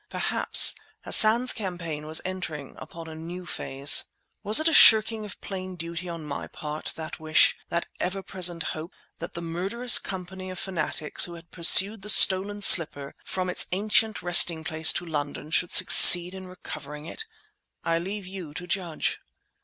Perhaps Hassan's campaign was entering upon a new phase. Was it a shirking of plain duty on my part that wish—that ever present hope—that the murderous company of fanatics who had pursued the stolen slipper from its ancient resting place to London, should succeed in recovering it? I leave you to judge.